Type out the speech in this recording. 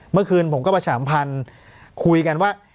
เมื่อคืนผมก็ประชาสัมพันธ์คุยกันว่า